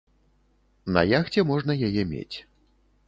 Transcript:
На яхце можна яе мець.